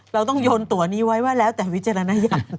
เราต้องโยนตัวนี้ไว้ว่าแล้วแต่วิจารณญาณ